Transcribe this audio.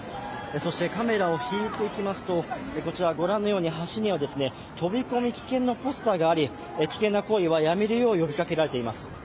そしてカメラを引いていきますと、ご覧のように橋には飛び込み危険のポスターがあり、危険な行為はやめるよう呼びかけられています。